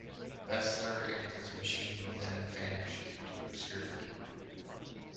Bessler and his machine then vanished into obscurity.